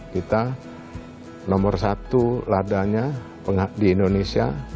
kita nomor satu ladanya di indonesia